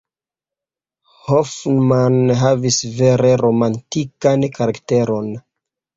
Hoffmann havis vere romantikan karakteron.